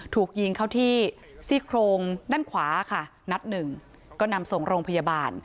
ถูกยิงเข้าที่ซี่โครงด้านขวาค่ะนัดหนึ่งก็นำส่งโรงพยาบาล